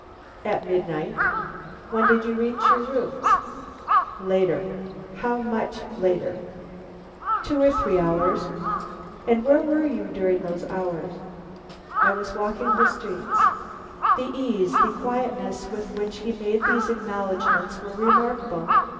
"At midnight." "When did you reach your rooms?" "Later." "How much later?" "Two or three hours." "And where were you during those hours?" "I was walking the streets." The ease, the quietness with which he made these acknowledgments were remarkable.